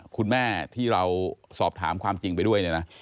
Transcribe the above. คุณแม่ที่เราสอบถามความจริงไปด้วยนะ